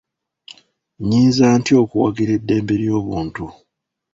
Nnyinza ntya okuwagira eddembe ly'obuntu?